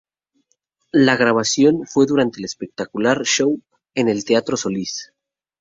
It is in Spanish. La grabación fue durante un espectacular show en el teatro Solís.